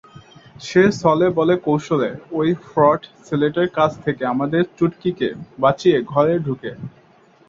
সে ছলেবলে কৌশলে ঐ ফ্রড ছেলেটার কাছ থেকে আমাদের চুটকিকে বাঁচিয়ে ঘরে ঢুকে।